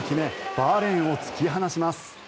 バーレーンを突き放します。